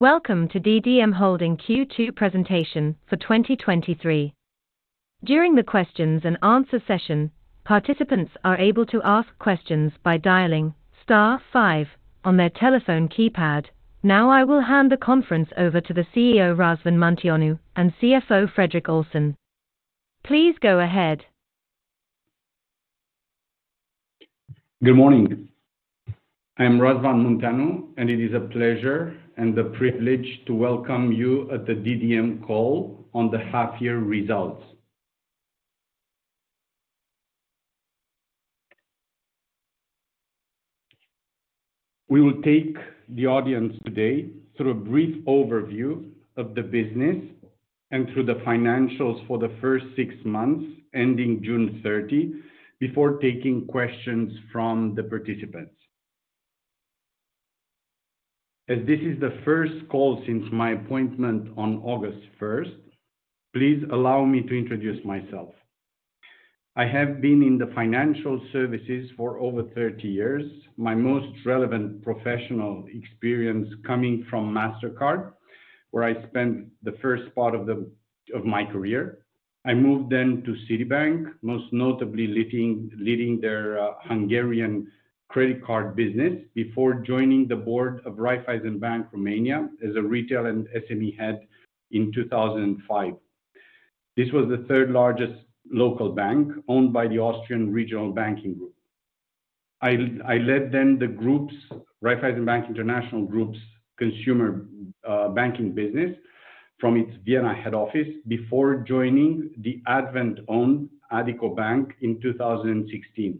Welcome to DDM Holding Q2 presentation for 2023. During the questions and answer session, participants are able to ask questions by dialing star five on their telephone keypad. Now, I will hand the conference over to the CEO, Razvan Munteanu, and CFO, Fredrik Olsson. Please go ahead. Good morning. I am Razvan Munteanu, and it is a pleasure and a privilege to welcome you at the DDM call on the half-year results. We will take the audience today through a brief overview of the business and through the financials for the first six months, ending June 30, before taking questions from the participants. As this is the first call since my appointment on August 1, please allow me to introduce myself. I have been in the financial services for over 30 years. My most relevant professional experience coming from Mastercard, where I spent the first part of the, of my career. I moved then to Citibank, most notably leading their Hungarian credit card business before joining the board of Raiffeisen Bank, Romania, as a retail and SME head in 2005. This was the third-largest local bank owned by the Austrian Regional Banking Group. I, I led then the groups, Raiffeisen Bank International Group's consumer, banking business from its Vienna head office before joining the Advent-owned Addiko Bank in 2016.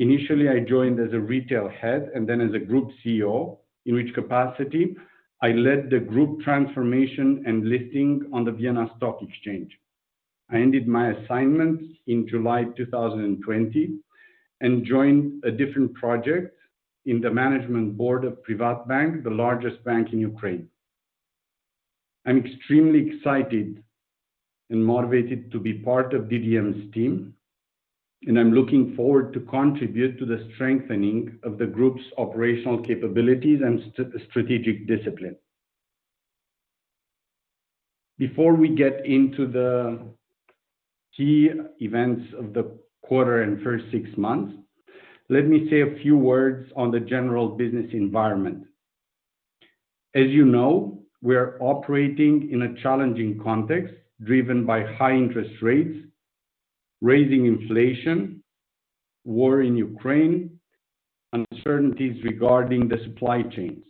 Initially, I joined as a retail head and then as a group CEO, in which capacity I led the group transformation and listing on the Vienna Stock Exchange. I ended my assignment in July 2020, and joined a different project in the management board of PrivatBank, the largest bank in Ukraine. I'm extremely excited and motivated to be part of DDM's team, and I'm looking forward to contribute to the strengthening of the group's operational capabilities and strategic discipline. Before we get into the key events of the quarter and first six months, let me say a few words on the general business environment. As you know, we are operating in a challenging context, driven by high interest rates, rising inflation, war in Ukraine, uncertainties regarding the supply chains.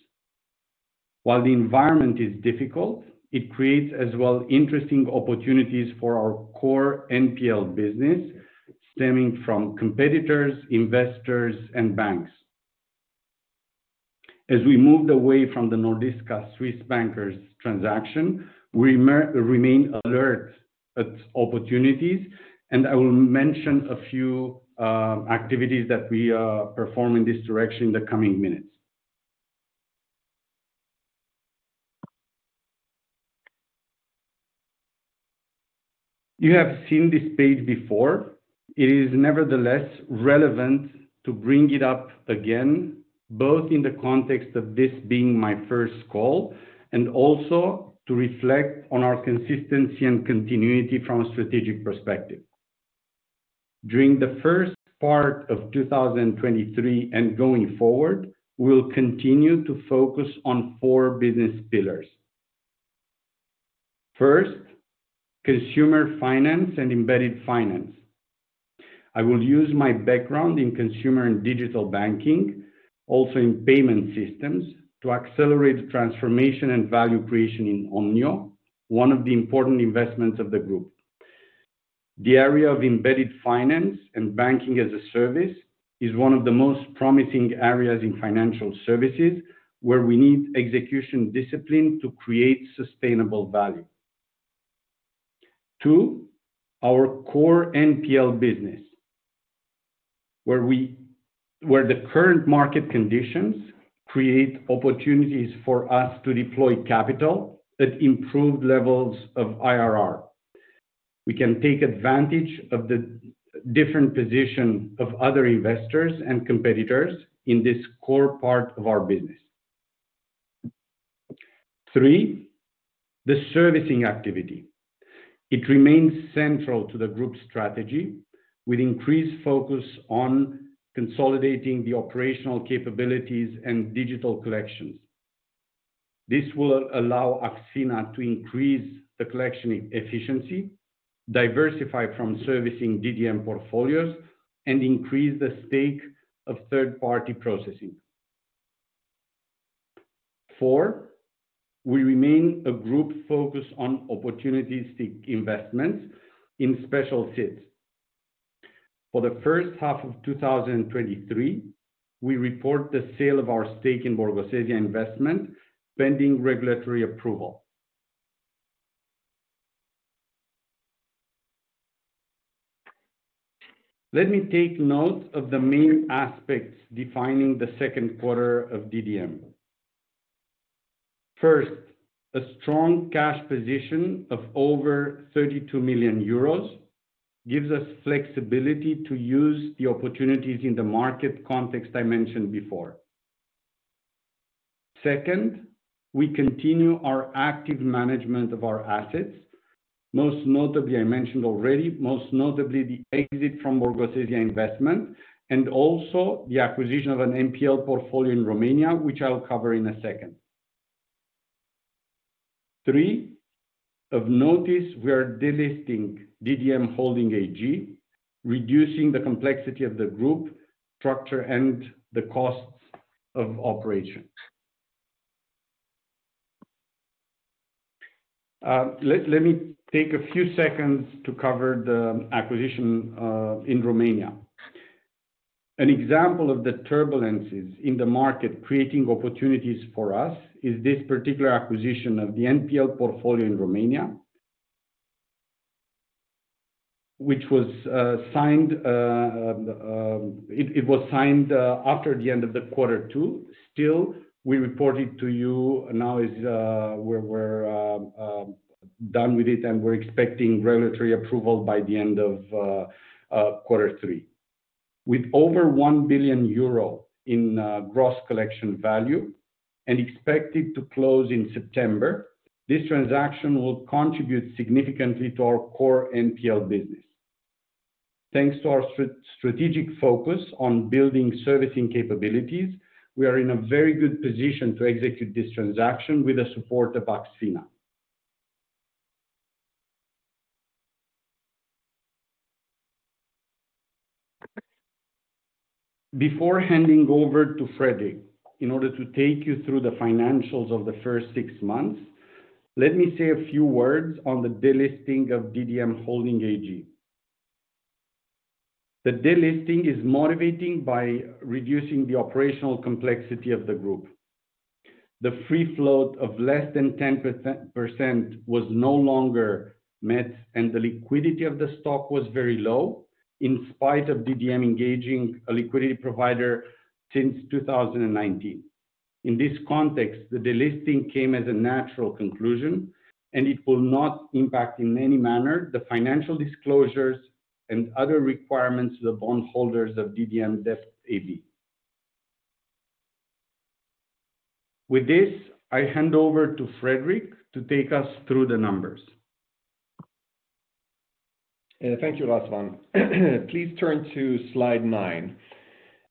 While the environment is difficult, it creates as well interesting opportunities for our core NPL business, stemming from competitors, investors, and banks. As we moved away from the Nordiska, Swiss Bankers transaction, we remain alert to opportunities, and I will mention a few activities that we are performing in this direction in the coming minutes. You have seen this page before. It is nevertheless relevant to bring it up again, both in the context of this being my first call, and also to reflect on our consistency and continuity from a strategic perspective. During the first part of 2023, and going forward, we'll continue to focus on 4 business pillars. First, consumer finance and embedded finance. I will use my background in consumer and digital banking, also in payment systems, to accelerate transformation and value creation in Omnio, one of the important investments of the group. The area of embedded finance and banking as a service is one of the most promising areas in financial services, where we need execution discipline to create sustainable value. 2, our core NPL business, where the current market conditions create opportunities for us to deploy capital at improved levels of IRR. We can take advantage of the different position of other investors and competitors in this core part of our business. 3, the servicing activity. It remains central to the group's strategy, with increased focus on consolidating the operational capabilities and digital collections. This will allow AxFina to increase the collection efficiency, diversify from servicing DDM portfolios, and increase the stake of third-party processing. Four, we remain a group focused on opportunistic investments in special situations. For the first half of 2023, we report the sale of our stake in Borgosesia investment, pending regulatory approval. Let me take note of the main aspects defining the second quarter of DDM. First, a strong cash position of over 32 million euros gives us flexibility to use the opportunities in the market context I mentioned before. Second, we continue our active management of our assets. Most notably, I mentioned already, most notably the exit from Borgosesia investment, and also the acquisition of an NPL portfolio in Romania, which I'll cover in a second. Three, of notice, we are delisting DDM Holding AG, reducing the complexity of the group structure and the costs of operations. Let me take a few seconds to cover the acquisition in Romania. An example of the turbulences in the market creating opportunities for us is this particular acquisition of the NPL portfolio in Romania, which was signed, it was signed after the end of quarter two. Still, we report it to you, now is, we're done with it, and we're expecting regulatory approval by the end of quarter three. With over 1 billion euro in gross collection value and expected to close in September, this transaction will contribute significantly to our core NPL business. Thanks to our strategic focus on building servicing capabilities, we are in a very good position to execute this transaction with the support of AxFina. Before handing over to Fredrik, in order to take you through the financials of the first six months, let me say a few words on the delisting of DDM Holding AG. The delisting is motivating by reducing the operational complexity of the group. The free float of less than 10% was no longer met, and the liquidity of the stock was very low, in spite of DDM engaging a liquidity provider since 2019. In this context, the delisting came as a natural conclusion, and it will not impact in any manner, the financial disclosures and other requirements of the bondholders of DDM Debt AB. With this, I hand over to Fredrik to take us through the numbers. Thank you, Razvan. Please turn to slide 9.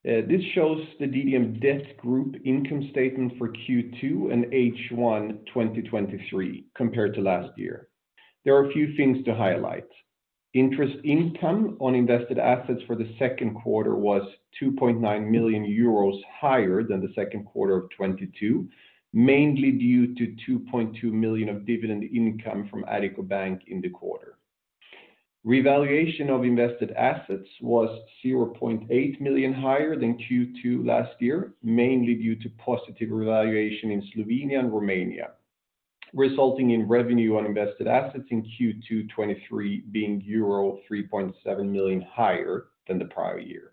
This shows the DDM Debt Group income statement for Q2 and H1 2023, compared to last year. There are a few things to highlight. Interest income on invested assets for the second quarter was 2.9 million euros higher than the second quarter of 2022, mainly due to 2.2 million of dividend income from Addiko Bank in the quarter. Revaluation of invested assets was 0.8 million higher than Q2 last year, mainly due to positive revaluation in Slovenia and Romania, resulting in revenue on invested assets in Q2 2023 being euro 3.7 million higher than the prior year.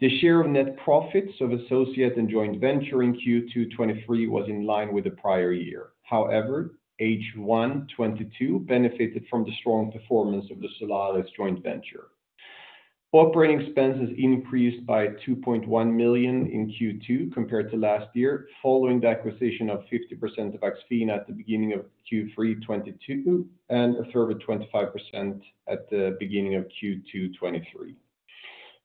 The share of net profits of associates and joint venture in Q2 2023 was in line with the prior year. However, H1 2022 benefited from the strong performance of the Luce OR Albulus joint venture. Operating expenses increased by 2.1 million in Q2 compared to last year, following the acquisition of 50% of AxFina at the beginning of Q3 2022, and a further 25% at the beginning of Q2 2023.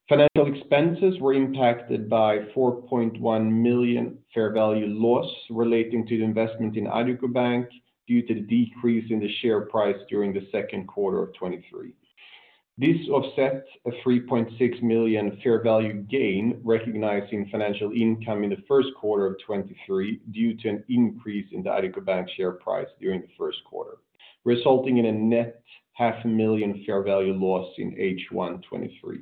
Financial expenses were impacted by 4.1 million fair value loss relating to the investment in Addiko Bank, due to the decrease in the share price during the second quarter of 2023. This offsets a 3.6 million fair value gain, recognizing financial income in the first quarter of 2023, due to an increase in the Addiko Bank share price during the first quarter, resulting in a net 0.5 million fair value loss in H1 2023.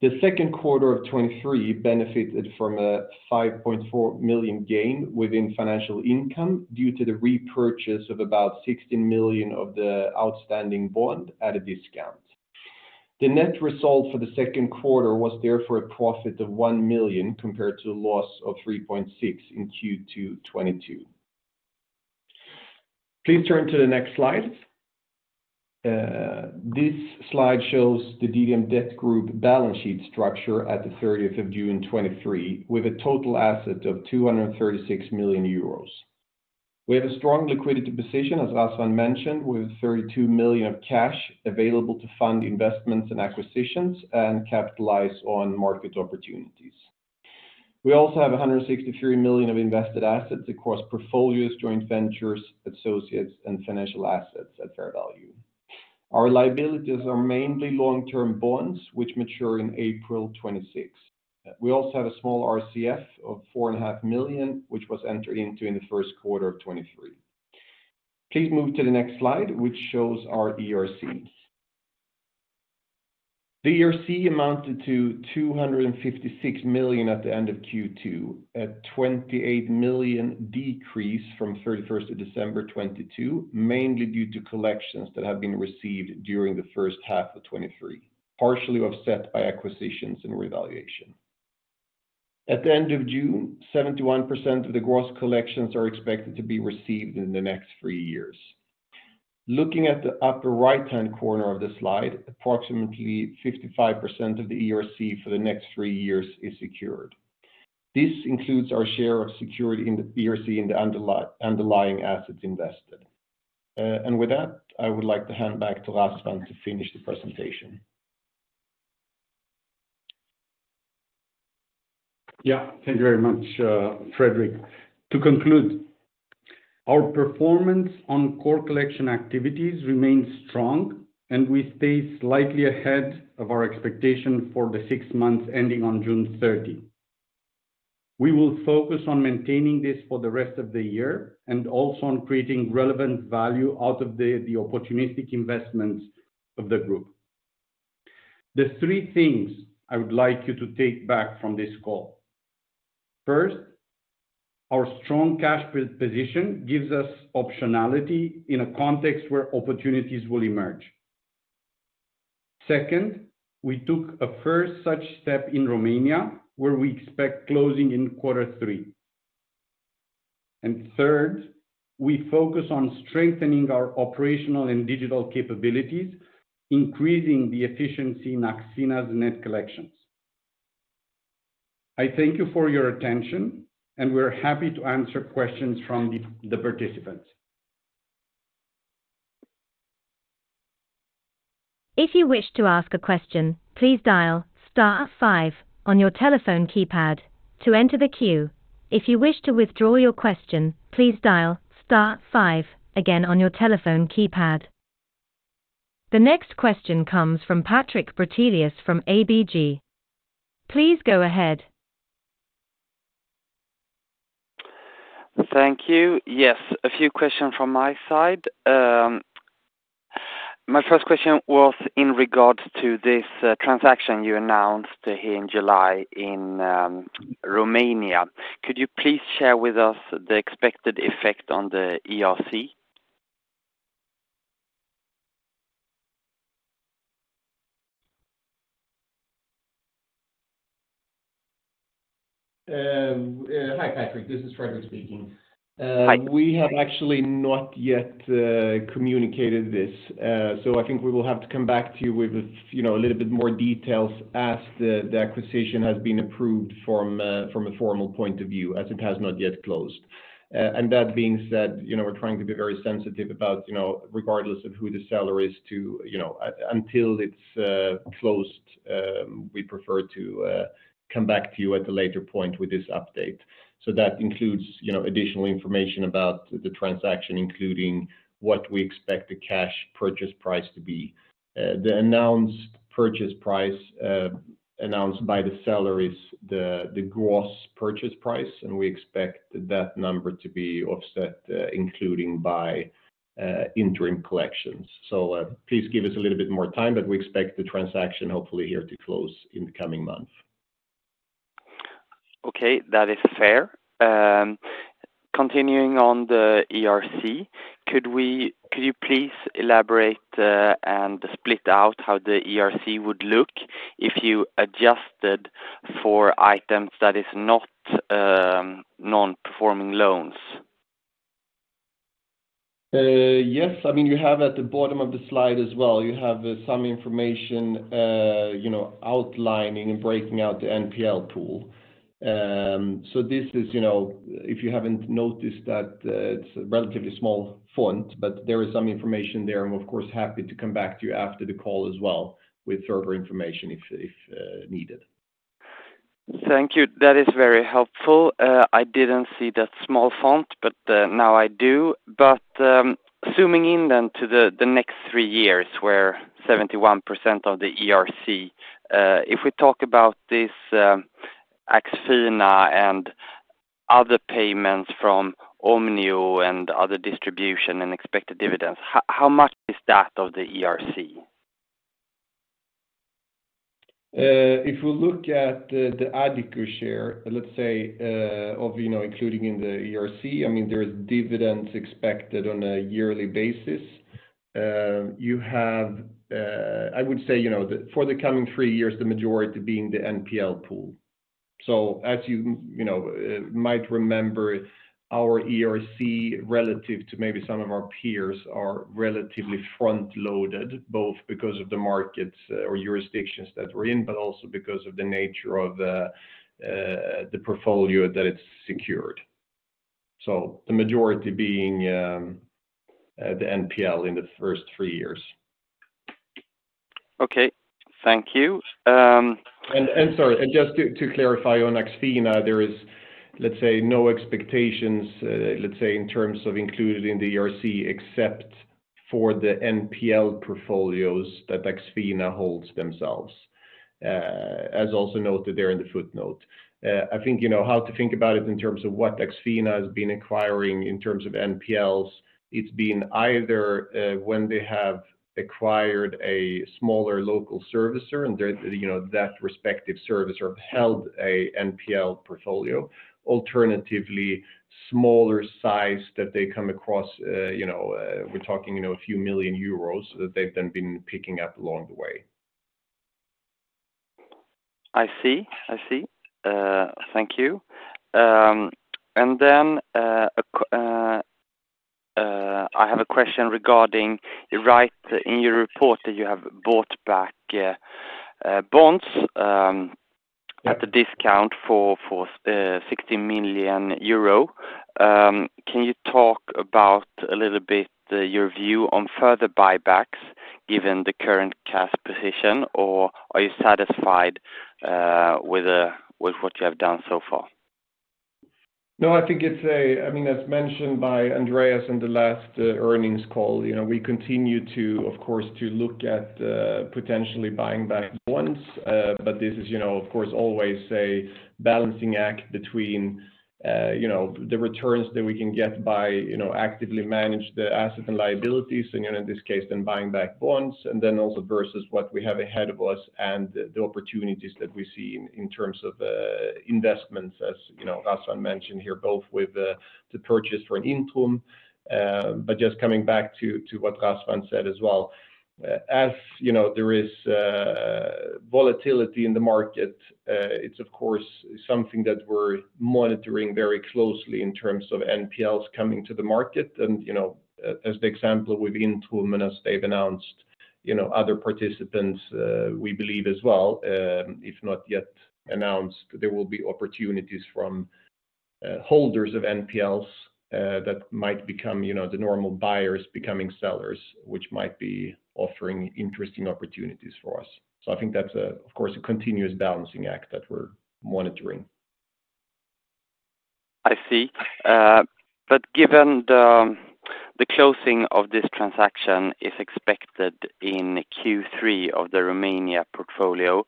The second quarter of 2023 benefited from a 5.4 million gain within financial income, due to the repurchase of about 16 million of the outstanding bond at a discount. The net result for the second quarter was therefore a profit of 1 million, compared to a loss of 3.6 million in Q2 2022. Please turn to the next slide. This slide shows the DDM Debt Group balance sheet structure at the 30th of June 2023, with total assets of 236 million euros. We have a strong liquidity position, as Razvan mentioned, with 32 million of cash available to fund investments and acquisitions and capitalize on market opportunities. We also have 163 million of invested assets across portfolios, joint ventures, associates, and financial assets at fair value. Our liabilities are mainly long-term bonds, which mature in April 2026. We also have a small RCF of 4.5 million, which was entered into in the first quarter of 2023. Please move to the next slide, which shows our ERCs. The ERC amounted to 256 million at the end of Q2, a 28 million decrease from December 31, 2022, mainly due to collections that have been received during the first half of 2023, partially offset by acquisitions and revaluation. At the end of June, 71% of the gross collections are expected to be received in the next three years. Looking at the upper right-hand corner of the slide, approximately 55% of the ERC for the next three years is secured. This includes our share of security in the ERC and the underlying assets invested. And with that, I would like to hand back to Razvan to finish the presentation. Yeah. Thank you very much, Fredrik. To conclude, our performance on core collection activities remains strong, and we stay slightly ahead of our expectation for the six months ending on June 30. We will focus on maintaining this for the rest of the year, and also on creating relevant value out of the opportunistic investments of the group. There's three things I would like you to take back from this call: First, our strong cash position gives us optionality in a context where opportunities will emerge. Second, we took a first such step in Romania, where we expect closing in quarter three. And third, we focus on strengthening our operational and digital capabilities, increasing the efficiency in AxFina's net collections. I thank you for your attention, and we're happy to answer questions from the participants. If you wish to ask a question, please dial star five on your telephone keypad to enter the queue. If you wish to withdraw your question, please dial star five again on your telephone keypad. The next question comes from Patrik Brattelius from ABG. Please go ahead. Thank you. Yes, a few questions from my side. My first question was in regard to this transaction you announced here in July in Romania. Could you please share with us the expected effect on the ERC? Hi, Patrik, this is Fredrik speaking. Hi. We have actually not yet communicated this. So I think we will have to come back to you with, you know, a little bit more details as the acquisition has been approved from a formal point of view, as it has not yet closed. And that being said, you know, we're trying to be very sensitive about, you know, regardless of who the seller is, until it's closed, we prefer to come back to you at a later point with this update. So that includes, you know, additional information about the transaction, including what we expect the cash purchase price to be. The announced purchase price announced by the seller is the gross purchase price, and we expect that number to be offset, including by interim collections. So, please give us a little bit more time, but we expect the transaction hopefully here to close in the coming month. Okay, that is fair. Continuing on the ERC, could you please elaborate and split out how the ERC would look if you adjusted for items that is not non-performing loans? Yes. I mean, you have at the bottom of the slide as well, you have some information, you know, outlining and breaking out the NPL pool. So this is, you know, if you haven't noticed that, it's a relatively small font, but there is some information there. I'm of course happy to come back to you after the call as well with further information, if needed. Thank you. That is very helpful. I didn't see that small font, but now I do. But, zooming in then to the next three years, where 71% of the ERC, if we talk about this, AxFina and other payments from Omnio and other distribution and expected dividends, how much is that of the ERC? If we look at the Addiko share, let's say, of, you know, including in the ERC, I mean, there's dividends expected on a yearly basis. You have, I would say, you know, for the coming three years, the majority being the NPL pool. So as you, you know, might remember, our ERC relative to maybe some of our peers, are relatively front-loaded, both because of the markets or jurisdictions that we're in, but also because of the nature of the, the portfolio that it's secured. So the majority being, the NPL in the first three years. Okay. Thank you, Sorry, just to clarify on AxFina, there is, let's say, no expectations, let's say, in terms of included in the ERC, except for the NPL portfolios that AxFina holds themselves, as also noted there in the footnote. I think you know how to think about it in terms of what AxFina has been acquiring, in terms of NPLs, it's been either, when they have acquired a smaller local servicer and there, you know, that respective servicer held a NPL portfolio. Alternatively, smaller size that they come across, you know, we're talking, you know, a few million EUR that they've then been picking up along the way.... I see, I see. Thank you. And then, I have a question regarding you write in your report that you have bought back, bonds, at a discount for 60 million euro. Can you talk about a little bit, your view on further buybacks, given the current cash position, or are you satisfied, with what you have done so far? No, I think it's a—I mean, as mentioned by Andreas in the last earnings call, you know, we continue to, of course, to look at potentially buying back bonds. But this is, you know, of course, always a balancing act between you know, the returns that we can get by you know, actively manage the assets and liabilities, and you know, in this case, then buying back bonds, and then also versus what we have ahead of us and the opportunities that we see in terms of investments. As you know, Razvan mentioned here, both with the purchase for Intrum. But just coming back to what Razvan said as well, as you know, there is volatility in the market, it's of course something that we're monitoring very closely in terms of NPLs coming to the market. You know, as the example with Intrum, and as they've announced, you know, other participants, we believe as well, if not yet announced, there will be opportunities from holders of NPLs that might become, you know, the normal buyers becoming sellers, which might be offering interesting opportunities for us. So I think that's, of course, a continuous balancing act that we're monitoring. I see. But given the closing of this transaction is expected in Q3 of the Romania portfolio.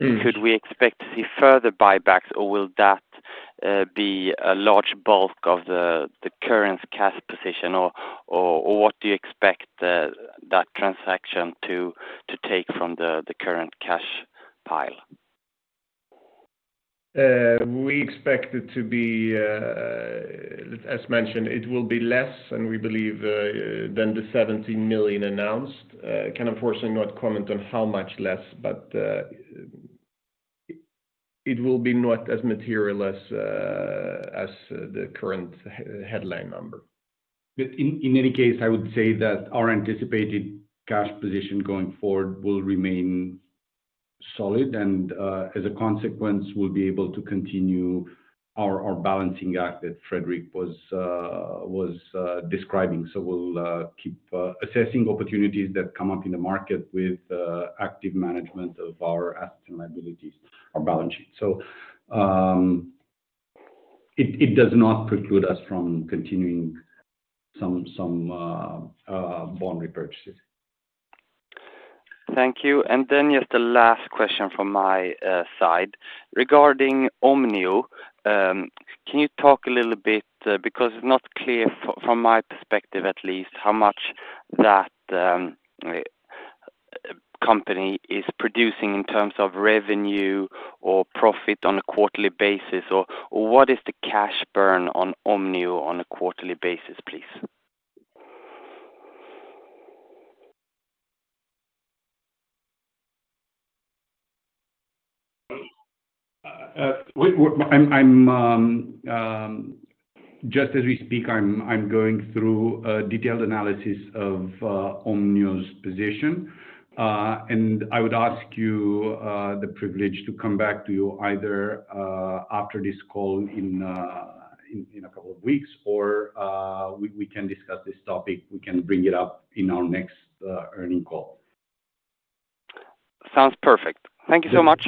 Mm. Could we expect to see further buybacks, or will that be a large bulk of the current cash position? Or what do you expect that transaction to take from the current cash pile? We expect it to be... As mentioned, it will be less, and we believe, than the 17 million announced. I can unfortunately not comment on how much less, but, it will be not as material as, as the current headline number. But in any case, I would say that our anticipated cash position going forward will remain solid, and as a consequence, we'll be able to continue our balancing act that Fredrik was describing. So we'll keep assessing opportunities that come up in the market with active management of our assets and liabilities, our balance sheet. So it does not preclude us from continuing some bond repurchases. Thank you. And then just the last question from my side: regarding Omnio, can you talk a little bit, because it's not clear from my perspective at least, how much that company is producing in terms of revenue or profit on a quarterly basis, or what is the cash burn on Omnio on a quarterly basis, please? I'm going through a detailed analysis of Omnio's position. I would ask you the privilege to come back to you either after this call in a couple of weeks, or we can discuss this topic. We can bring it up in our next earnings call. Sounds perfect. Thank you so much.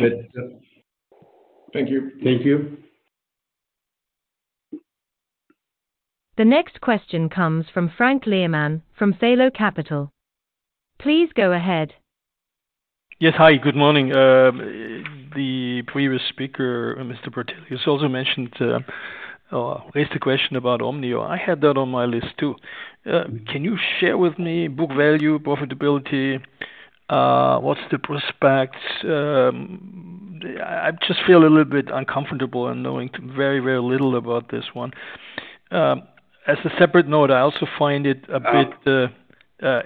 Thank you. Thank you. The next question comes from Frank Liemann from Sallfort. Please go ahead. Yes. Hi, good morning. The previous speaker, Mr. Brattelius, also mentioned raised a question about Omnio. I had that on my list, too. Can you share with me book value, profitability? What's the prospects? I just feel a little bit uncomfortable in knowing very, very little about this one. As a separate note, I also find it a bit,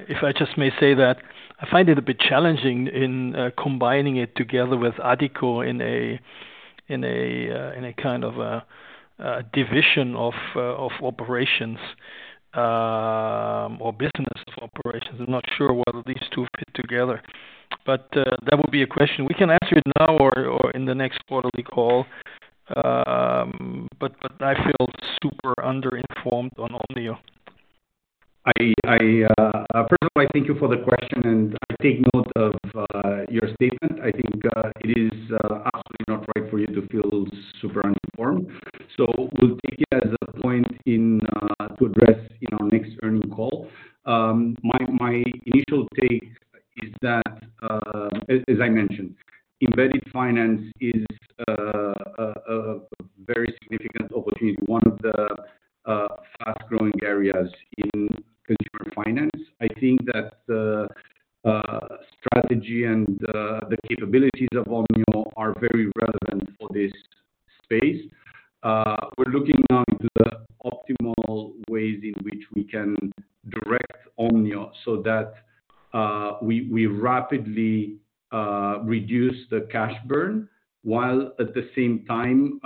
if I just may say that, I find it a bit challenging in combining it together with Addiko in a kind of a division of operations or business operations. I'm not sure whether these two fit together, but that would be a question. We can answer it now or in the next quarterly call. But I feel super underinformed on Omnio. First of all, I thank you for the question, and I take note of your statement. I think it is absolutely not right for you to feel super underinformed. So we'll take it as a point in to address in our next earnings call. My initial take is that, as I mentioned, embedded finance is a very significant opportunity, one of the fast-growing areas in consumer finance. I think that the strategy and the capabilities of Omnio are very relevant for this space. We're looking now into the optimal ways in which we can direct Omnio so that we rapidly reduce the cash burn, while at the same time,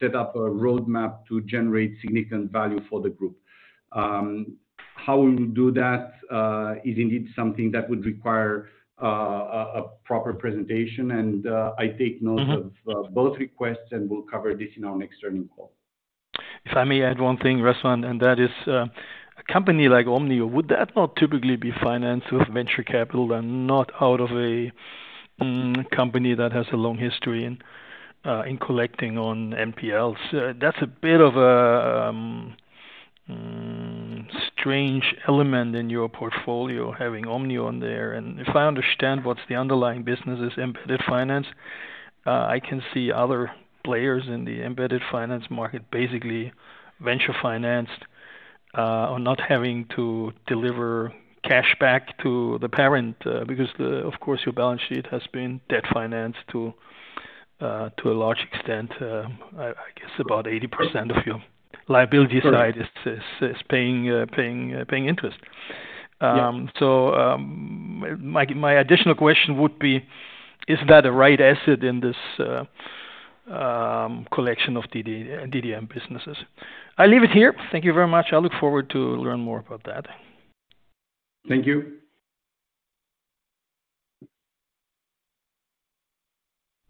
set up a roadmap to generate significant value for the group. How we will do that is indeed something that would require a proper presentation. And I take note- Mm-hmm of both requests, and we'll cover this in our next earnings call. If I may add one thing, Razvan, and that is, a company like Omnio, would that not typically be financed with venture capital and not out of a company that has a long history in collecting on NPLs? That's a bit of a strange element in your portfolio, having Omnio on there. And if I understand what the underlying business is embedded finance, I can see other players in the embedded finance market, basically venture financed, or not having to deliver cash back to the parent. Because the, of course, your balance sheet has been debt financed to a large extent. I guess about 80% of your liability side is paying interest. Yeah. So, my additional question would be: Is that a right asset in this collection of DDM businesses? I leave it here. Thank you very much. I look forward to learn more about that. Thank you.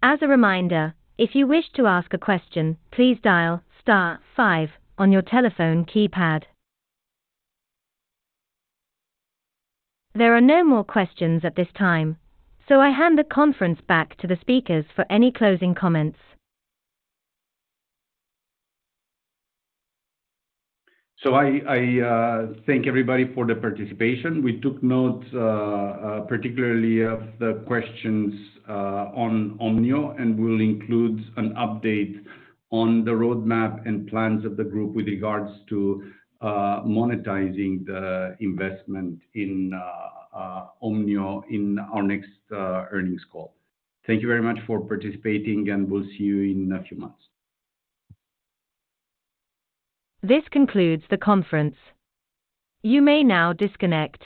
As a reminder, if you wish to ask a question, please dial star five on your telephone keypad. There are no more questions at this time, so I hand the conference back to the speakers for any closing comments. So I thank everybody for the participation. We took notes, particularly of the questions on Omnio, and we'll include an update on the roadmap and plans of the group with regards to monetizing the investment in Omnio in our next earnings call. Thank you very much for participating, and we'll see you in a few months. This concludes the conference. You may now disconnect.